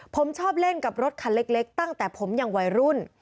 ผมชอบเล่นกับรถคันเล็กตั้งแต่ผมยังวัยรุ่น